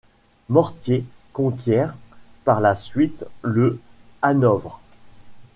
Mortier conquiert par la suite le Hanovre.